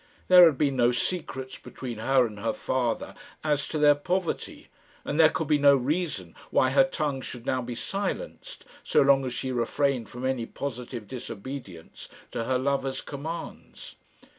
There had been no secrets between her and her father as to their poverty, and there could be no reason why her tongue should now be silenced, so long as she refrained from any positive disobedience to her lover's commands.